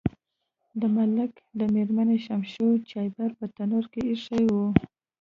د ملک د میرمنې شمشو چایبر په تنور کې ایښی و.